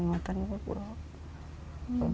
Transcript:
saya tidak bisa berubah